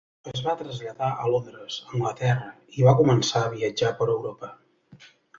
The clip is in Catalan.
Es va traslladar a Londres, Anglaterra, i va començar a viatjar per Europa.